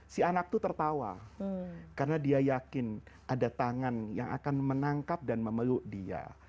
si anak itu tertawa karena dia yakin ada tangan yang akan menangkap dan memeluk dia